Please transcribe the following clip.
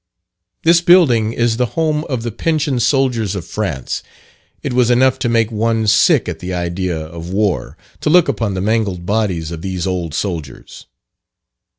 This building is the home of the pensioned soldiers of France. It was enough to make one sick at the idea of war, to look upon the mangled bodies of these old soldiers.